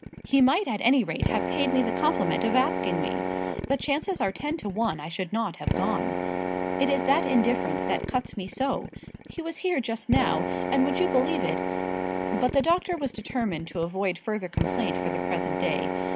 "He might at any rate have paid me the compliment of asking me. The chances are ten to one I should not have gone. It is that indifference that cuts me so. He was here just now, and, would you believe it? " But the doctor was determined to avoid further complaint for the present day.